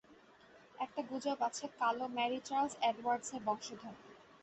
একটা গুজব আছে, কালো ম্যারি চার্লস এডওয়ার্ডস এর বংশধর।